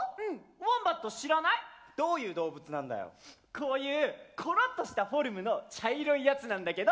こういうコロッとしたフォルムの茶色いやつなんだけど。